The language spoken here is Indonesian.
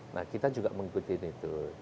nah kita juga mengikuti itu